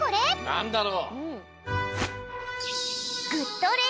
なんだろう？